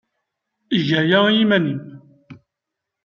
Eg aya i yiman-nnem.